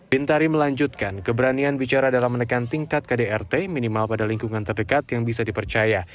bintari melanjutkan keberanian bicara dalam menekan tingkat kdrt minimal pada lingkungan terdekat yang bisa dipercaya